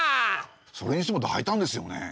それにしてもだいたんですよね。